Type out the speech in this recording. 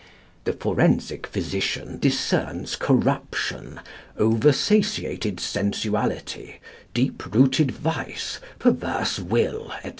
"The forensic physician discerns corruption, oversatiated sensuality, deep rooted vice, perverse will, &c.